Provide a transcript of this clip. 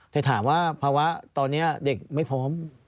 แต่ถามว่าภาวะตอนนี้เด็กไม่พร้อม